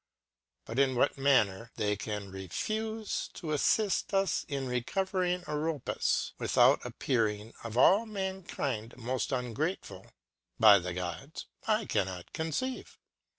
But in what Manner they can refufe to afTifl us in recovering Oropus, with out appearing of all Mankind moft ungrateful, by the Gods, I cannot conceive.